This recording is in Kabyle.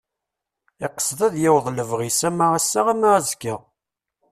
Iqsed ad yaweḍ lebɣi-s ama ass-a ama azekka.